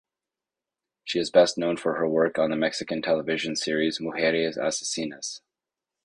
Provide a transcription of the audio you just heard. She is best known for her work on the Mexican television series "Mujeres asesinas".